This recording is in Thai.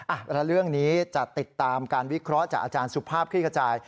แล้วเรื่องนี้จะติดตามการวิเคราะห์จากอาจารย์สุภาพคลี่ขจาย